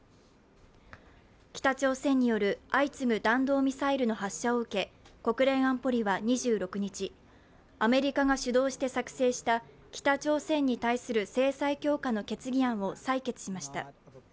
北朝鮮による相次ぐ弾道ミサイルの発射を受け国連安保理は２６日、アメリカが主導して作成した北朝鮮に対する制裁強化の決議案を採決しました。